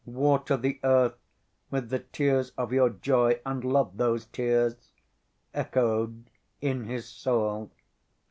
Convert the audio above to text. "Water the earth with the tears of your joy and love those tears," echoed in his soul.